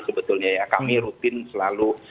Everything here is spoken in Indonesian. sebetulnya ya kami rutin selalu